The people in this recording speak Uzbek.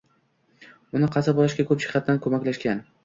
Uni qazib olishga koʻp jihatdan koʻmaklashgan.